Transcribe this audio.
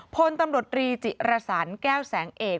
พลตำรวจรีจิรสันแก้วแสงเอก